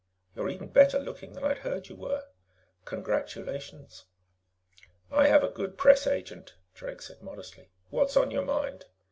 You're even better looking than I'd heard you were. Congratulations." "I have a good press agent," Drake said modestly. "What's on your mind?"